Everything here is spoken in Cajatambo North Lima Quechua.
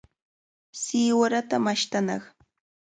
Siwarata mashtanaq.